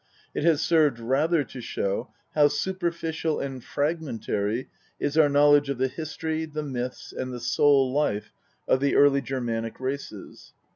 It has served rather to show how superficial and fragmentary is our knowledge of the history, the myths, and the soul life of the early Germanic races.